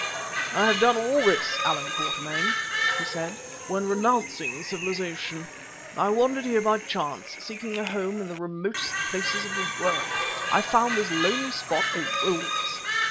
"I have done all this, Allan Quatermain," he said. "When renouncing civilization, I wandered here by chance; seeking a home in the remotest places of the world, I found this lonely spot a wilderness.